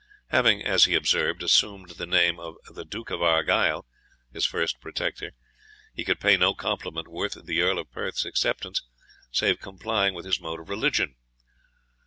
Having, as he observed, assumed the name of the Duke of Argyle, his first protector, he could pay no compliment worth the Earl of Perth's acceptance save complying with his mode of religion.